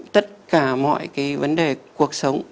tất cả mọi cái vấn đề cuộc sống